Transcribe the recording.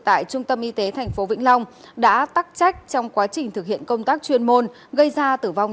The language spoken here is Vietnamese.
tại trung tâm y tế tp vĩnh long đã tắc trách trong quá trình thực hiện công tác chuyên môn gây ra tử vong